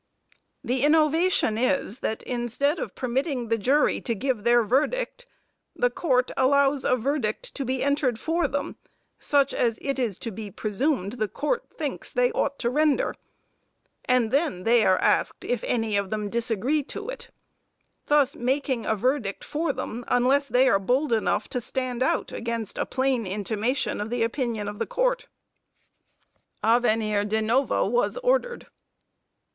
The innovation is, that instead of permitting the jury to give their verdict, the Court allows a verdict to be entered for them, such as it is to be presumed the Court thinks they ought to render, and then they are asked if any of them disagree to it; thus making a verdict for them, unless they are bold enough to stand out against a plain intimation of the opinion of the Court." A venire de novo was ordered.